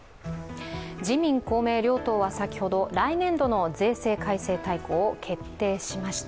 自民・公明両党は先ほど来年度の税制改正大綱を決定しました。